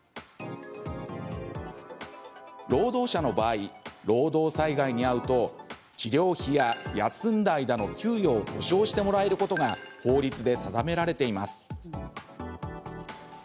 労働者の場合労働災害に遭うと治療費や休んだ間の給与を補償してもらえることが法律で定められています。